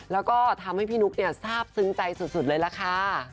แล้วก็ทำให้พี่นุ๊กเนี่ยทราบซึ้งใจสุดเลยล่ะค่ะ